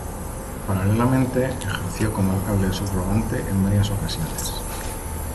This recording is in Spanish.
Paralelamente, ejerció como alcalde subrogante en varias ocasiones.